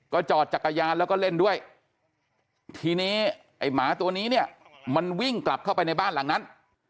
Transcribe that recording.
จอดจักรยานแล้วก็เล่นด้วยทีนี้ไอ้หมาตัวนี้เนี่ยมันวิ่งกลับเข้าไปในบ้านหลังนั้น